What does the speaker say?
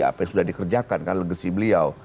apa yang sudah dikerjakan kan legasi beliau